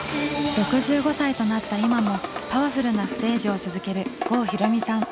６５歳となった今もパワフルなステージを続ける郷ひろみさん。